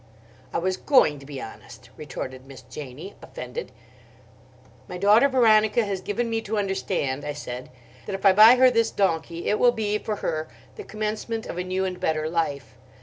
"I was going to be honest," retorted Miss Janie, offended. "My daughter Veronica has given me to understand," I said, "that if I buy her this donkey it will be, for her, the commencement of a new and better life.